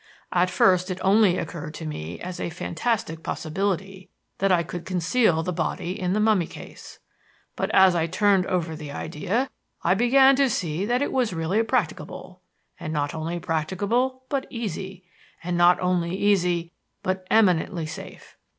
"At first it only occurred to me as a fantastic possibility that I could conceal the body in the mummy case. But as I turned over the idea I began to see that it was really practicable; and not only practicable but easy; and not only easy but eminently safe.